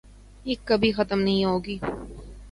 یہ کبھی ختم نہ ہوگی ۔